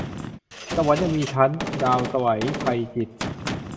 สวรรค์ยังมีชั้น - ดาวไสว ไพจิตร